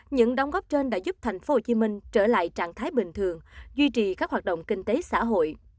những đóng góp trên đã giúp thành phố hồ chí minh trở lại trạng thái bình thường duy trì các hoạt động kinh tế xã hội